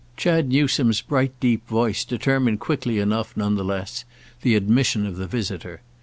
Chad Newsome's bright deep voice determined quickly enough none the less the admission of the visitor.